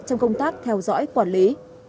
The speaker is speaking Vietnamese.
trong công tác theo dõi quản lý